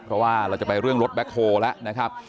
เพราะว่าเราจะไปเรื่องรถแบ็คโฮลแล้วนะครับ